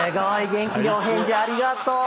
元気にお返事ありがとう。